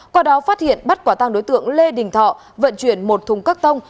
qua đó phát hiện bắt quả tăng đối tượng lê đình thọ vận chuyển một thùng các tông